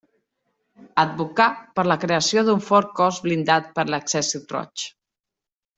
Advocà per la creació d'un fort cos blindat per l'Exèrcit Roig.